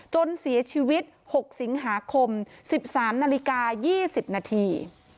จนเสียชีวิต๖สิงหาคม๑๓นาฬิกา๒๐นาที